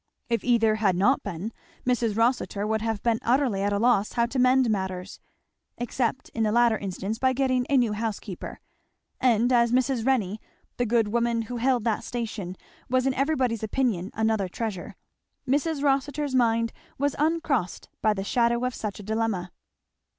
If either had not been, Mrs. Rossitur would have been utterly at a loss how to mend matters, except in the latter instance by getting a new housekeeper; and as Mrs. Renney, the good woman who held that station, was in everybody's opinion another treasure, Mrs. Rossitur's mind was uncrossed by the shadow of such a dilemma.